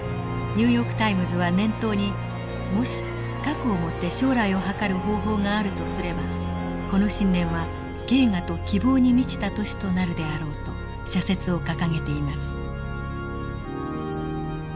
「ニューヨーク・タイムズ」は年頭に「もし過去をもって将来をはかる方法があるとすればこの新年は慶賀と希望に満ちた年となるであろう」と社説を掲げています。